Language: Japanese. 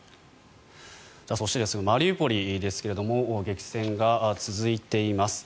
そしてマリウポリですが激戦が続いています。